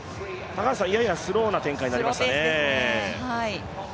ややスローな展開となりましたね。